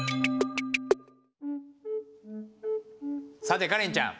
さてカレンちゃん。